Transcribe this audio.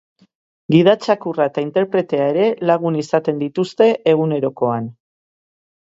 Gida txakurra eta interpretea ere lagun izaten dituzte egunerokoan.